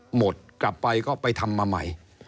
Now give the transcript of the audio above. หมดกลับไปก็ไปทำมาใหม่